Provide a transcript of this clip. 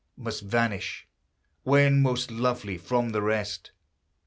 Must vanish, when most lovely, from the rest!